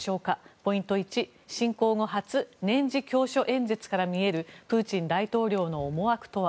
ポイント１、侵攻後初年次教書演説から見えるプーチン大統領の思惑とは。